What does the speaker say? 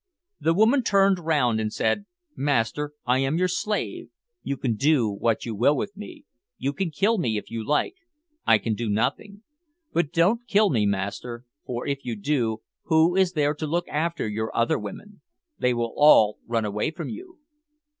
The woman turned round and said, "Master, I am your slave; you can do what you will with me. You can kill me if you like; I can do nothing. But don't kill me, master, for if you do, who is there to look after your other women? they will all run away from you."